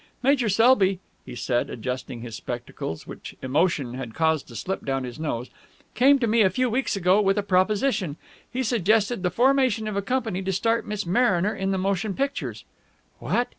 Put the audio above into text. "Major Selby," he said, adjusting his spectacles, which emotion had caused to slip down his nose, "came to me a few weeks ago with a proposition. He suggested the formation of a company to start Miss Mariner in the motion pictures." "What!"